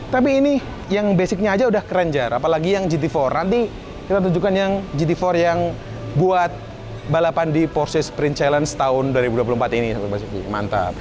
tapi ini yang basicnya aja udah kerenjar apalagi yang gt empat nanti kita tunjukkan yang gt empat yang buat balapan di force sprint challenge tahun dua ribu dua puluh empat ini basuki mantap